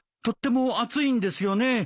とっても熱いんですよね。